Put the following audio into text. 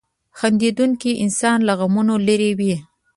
• خندېدونکی انسان له غمونو لرې وي.